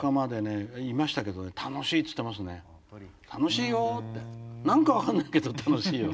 「楽しいよ」って「何か分かんないけど楽しいよ」